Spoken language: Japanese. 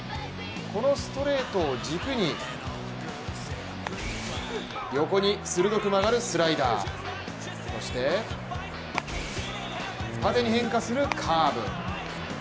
このストレートを軸に横に鋭く曲がるスライダー、そして縦に変化するカーブ。